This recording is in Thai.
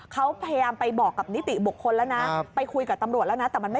เขาพยายามไปบอกกับนิติบกคนแล้วนะ